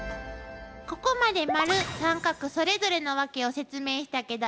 ここまで丸三角それぞれのワケを説明したけど理解できた？